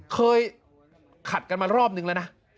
เคยขัดกันมารอบนึงแล้วนะ